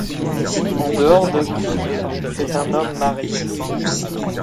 En dehors de prison, c'est un homme marié.